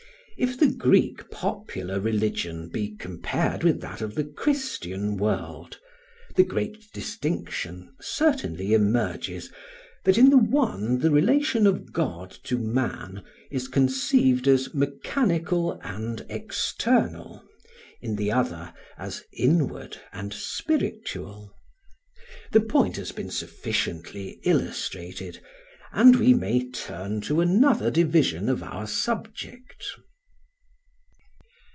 If the Greek popular religion be compared with that of the Christian world, the great distinction certainly emerges, that in the one the relation of God to man is conceived as mechanical and external, in the other as inward and spiritual. The point has been sufficiently illustrated, and we may turn to another division of our subject.